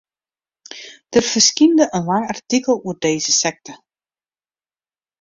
Der ferskynde in lang artikel oer dizze sekte.